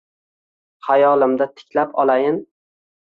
Xayolimda tiklab olayin.